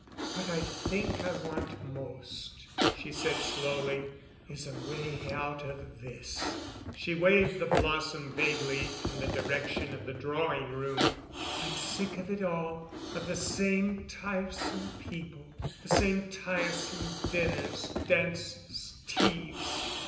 "What I think I want most," she said slowly, "is a way out of this." She waved the blossom vaguely in the direction of the drawing room. "I'm sick of it all, of the same tiresome people, the same tiresome dinners, dances, teas.